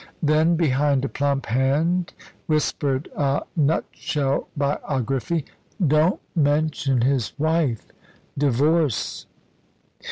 Then, behind a plump hand, whispered a nutshell biography, "Don't mention his wife divorce."